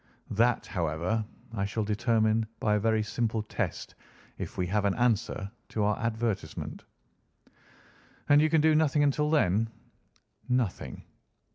That, however, I shall determine by a very simple test if we have an answer to our advertisement." "And you can do nothing until then?" "Nothing."